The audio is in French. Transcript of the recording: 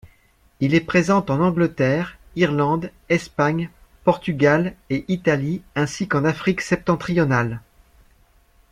Il est présent en Angleterre, Irlande, Espagne, Portugal et Italie ainsi qu'en Afrique septentrionale.